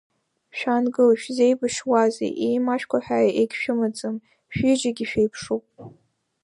Шәаангыл, шәзеибашьуазеи, еимашәкуа ҳәа егьшәымаӡам, шәҩыџьагьы шәеиԥшуп…